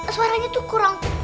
suaranya tuh kurang